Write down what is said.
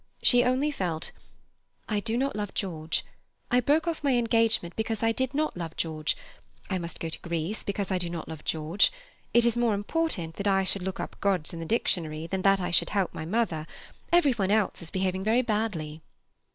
She only felt, "I do not love George; I broke off my engagement because I did not love George; I must go to Greece because I do not love George; it is more important that I should look up gods in the dictionary than that I should help my mother; everyone else is behaving very badly."